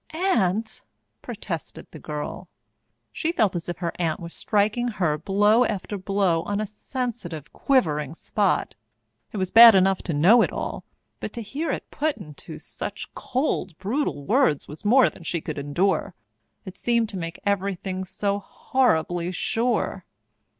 "Aunt!" protested the girl. She felt as if her aunt were striking her blow after blow on a sensitive, quivering spot. It was bad enough to know it all, but to hear it put into such cold, brutal words was more than she could endure. It seemed to make everything so horribly sure.